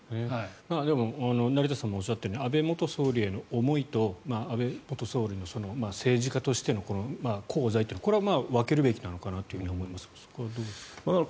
でも、成田さんもおっしゃったように安倍元総理への思いと安倍元総理の政治家としての功罪とはこれは分けるべきなのかなと思いますが、そこはどうですか。